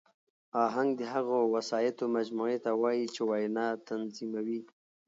آهنګ د هغو وسایطو مجموعې ته وایي، چي وینا تنظیموي.